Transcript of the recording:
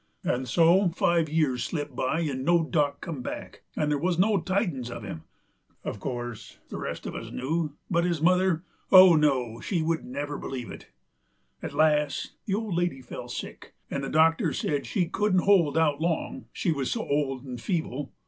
And so five years slipped by 'nd no Dock come back, 'nd there wuz no tidin's uv him. Uv course, the rest uv us knew; but his mother oh, no, she never would believe it. At last the old lady fell sick, and the doctor said she couldn't hold out long, she wuz so old 'nd feeble.